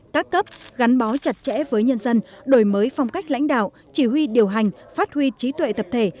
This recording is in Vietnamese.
các cấp gắn bó chặt chẽ với nhân dân đổi mới phong cách lãnh đạo chỉ huy điều hành phát huy trí tuệ tập thể